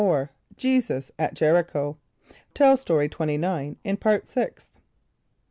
Jesus at Jericho. (Tell Story 29 in Part Sixth.)